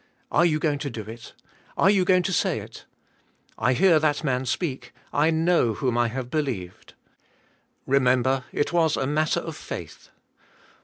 Are you going to do it? Are you going to say it? I hear that man speak, I know whom I have be lieved." Remember, it was a matter of faith.